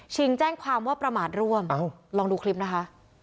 แจ้งความว่าประมาทร่วมลองดูคลิปนะคะ